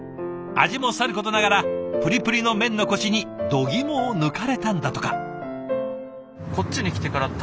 味もさることながらプリプリの麺のコシにどぎもを抜かれたんだとか。